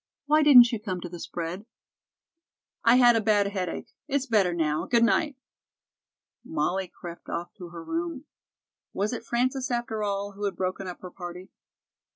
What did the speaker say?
"Why didn't you come to the spread?" "I had a bad headache. It's better now. Good night." Molly crept off to her room. Was it Frances, after all, who had broken up her party?